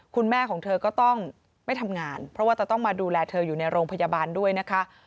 คุณแม่ของเธอก็ต้องไม่ทำงานเพราะว่าจะต้องมาดูแลเธออยู่ในโรงพยาบาลด้วยนะคะ